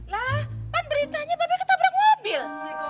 lah kan beritanya bapak ketabrak mobil